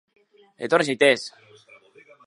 Etorri zaitez!